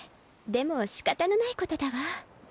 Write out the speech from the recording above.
でもしかたのないことだわ。